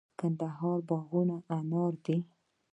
د کندهار باغونه انار دي